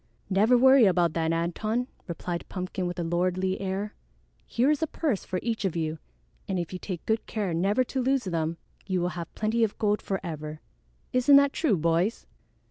"Never worry about that, Antone," replied Pumpkin with a lordly air. "Here is a purse for each of you, and if you take good care never to lose them, you will have plenty of gold forever. Isn't that true, boys?"